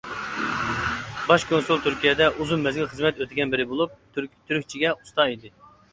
باش كونسۇل تۈركىيەدە ئۇزۇن مەزگىل خىزمەت ئۆتىگەن بىرى بولۇپ، تۈركچىگە ئۇستا ئىدى.